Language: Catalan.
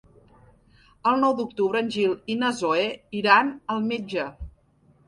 El nou d'octubre en Gil i na Zoè iran al metge.